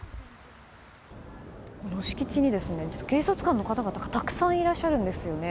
敷地に警察官の方がたくさんいらっしゃるんですよね。